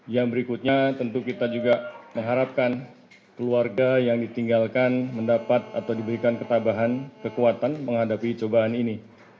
yang berikutnya tentu kita juga mengharapkan keluarga yang ditinggalkan mendapat atau diberikan ketabahan kekuatan menghadapi cobaan ini